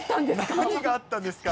何があったんですか。